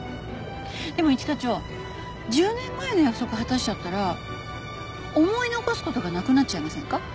でも一課長１０年前の約束を果たしちゃったら思い残す事がなくなっちゃいませんか？